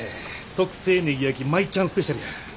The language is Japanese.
特製ネギ焼き舞ちゃんスペシャルや。